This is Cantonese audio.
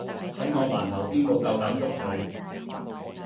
喺我環頭邊個夠膽喐佢